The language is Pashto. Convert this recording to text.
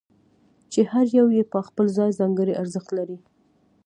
چې هر یو یې په خپل ځای ځانګړی ارزښت لري.